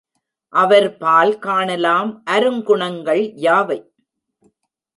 அவர்பால் காணலாம் அருங்குணங்கள் யாவை?